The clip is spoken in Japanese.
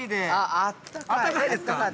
◆あったかいですか。